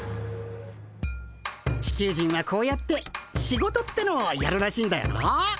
チキュウジンはこうやって「シゴト」ってのをやるらしいんだよな。